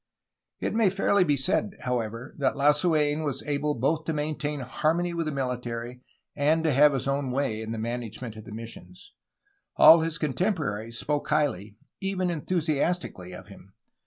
It may fairly be said, however, that Lasu^n was able both to maintain harmony with the mihtary and to have his own way in the management of the missions. All his con temporaries spoke highly, even enthusiastically, of him.